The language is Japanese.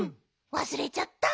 わすれちゃった。